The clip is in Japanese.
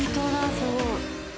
すごい。